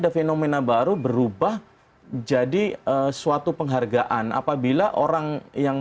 memastikan bahwa biasanya